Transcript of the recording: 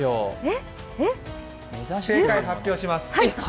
正解発表します。